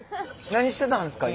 何してたんですか？